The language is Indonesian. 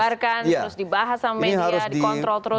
dibahas sama media dikontrol terus gitu ya